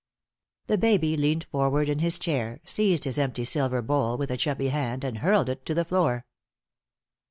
The baby leaned forward in his chair, seized his empty silver bowl with a chubby hand, and hurled it to the floor.